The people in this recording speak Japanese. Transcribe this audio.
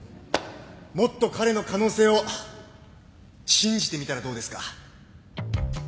もっと彼の可能性を信じてみたらどうですか？